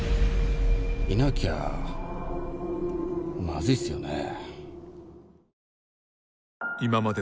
いなきゃマズいっすよねぇ？